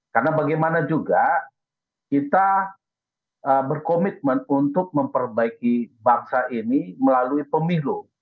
karena bagaimana juga kita berkomitmen untuk memperbaiki bangsa ini melalui pemilu